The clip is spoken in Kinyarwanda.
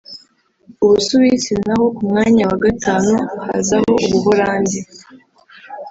u Busuwisi naho ku mwanya wa gatanu haza u Buholandi